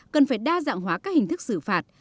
cần phải đa dạng hóa các hình thức xử phạt